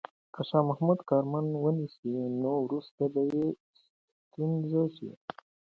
که شاه محمود کرمان ونه نیسي، نو وروسته به یې ستونزه شي.